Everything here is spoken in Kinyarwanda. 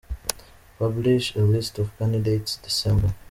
Publish a list of candidates ,December,.